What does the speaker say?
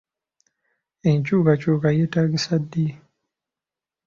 Enkyukakyuka yeeetaagisa ddi?